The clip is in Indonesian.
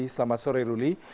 selamat sore ruli